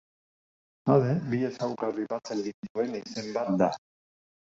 Jade bi ezaugarri batzen dituen izen bat da.